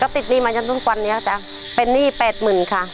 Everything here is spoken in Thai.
ก็ติดหนี้มานี่ก็จะเป็นหนี้๘๐๐๐๐บาทค่ะ